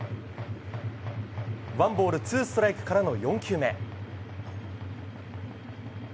ワンボールツーストライクからの４球目。